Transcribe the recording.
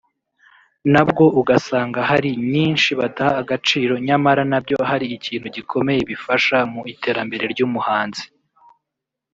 nabwo ugasanga hari nyinshi badaha agaciro nyamara nabyo hari ikintu gikomeye bifasha mu iterambere ry’umuhanzi